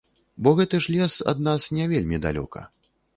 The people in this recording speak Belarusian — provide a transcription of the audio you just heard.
Бо гэты ж лес ад нас не вельмі далёка.